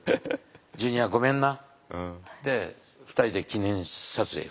ジュニアごめんな」って２人で記念撮影。